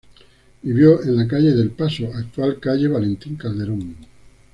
Vivió en la calle del Paso, actual calle Valentín Calderón.